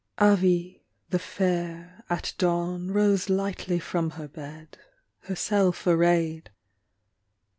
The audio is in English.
Avis, the fair, at dawn Rose lightly from her bed, Herself arrayed.